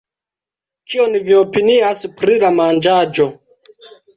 Kion vi opinias pri la manĝaĵo